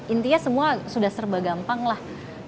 intinya semua sudah serba gampang lah